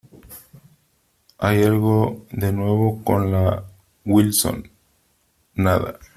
¿ hay algo de nuevo con la Wilson ? nada .